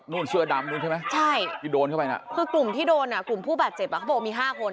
นู่นเสื้อดำนู่นใช่ไหมที่โดนเข้าไปนะคือกลุ่มที่โดนกลุ่มผู้บาดเจ็บเขาบอกว่ามีห้าคน